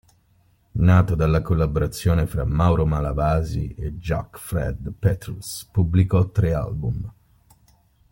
Nato dalla collaborazione fra Mauro Malavasi e Jacques Fred Petrus pubblicò tre album.